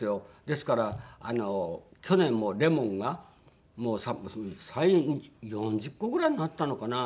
ですから去年もレモンが４０個ぐらいになったのかな？